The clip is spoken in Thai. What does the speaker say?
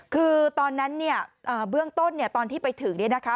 คือตอนนั้นเนี่ยเบื้องต้นเนี่ยตอนที่ไปถึงเนี่ยนะคะ